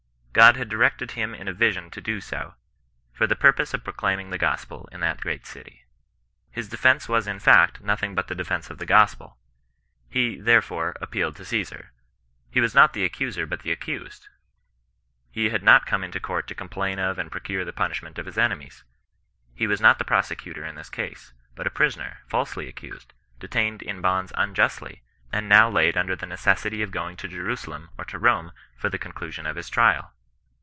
God had directed him in a vision to do so, for the purpose of proclaiming the gospel in that great city. His defence was in fact no thing but the defence of the gospel. He, therefore, ap pealed to OsBsar. He was not the accuser but the accused. H^ had not come into court to complain of and procure the punishment of his enemies. He was not the pro secutor in this case; but a prisoner, falsely accused, detained in bonds unjustly, and now laid under the neces sity of going to Jerusalem or to Rome for the conclusion of his trial.